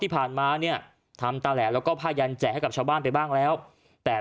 ที่ผ่านมาเนี่ยทำตาแหลแล้วก็ผ้ายันแจกให้กับชาวบ้านไปบ้างแล้วแต่